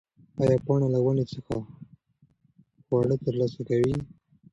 ایا پاڼه له ونې څخه خواړه ترلاسه کوي؟